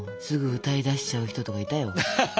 すぐ歌い出しちゃう人とかいたよ。